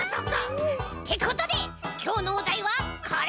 ってことできょうのおだいはこれ！